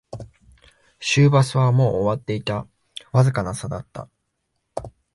終バスはもう終わっていた、わずかな差だった